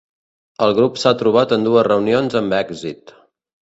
El grup s'ha trobat en dues reunions amb èxit.